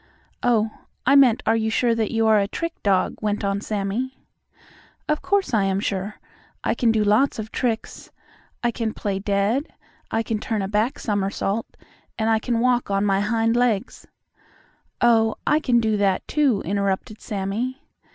"Oh, I meant are you sure that you are a trick dog," went on Sammie. "Of course, I am sure. I can do lots of tricks. I can play dead. I can turn a back somersault, and I can walk on my hind legs " "Oh, I can do that, too," interrupted Sammie.